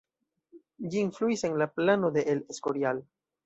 Ĝi influis en la plano de El Escorial.